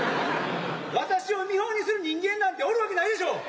私を見本にする人間なんておるわけないでしょ。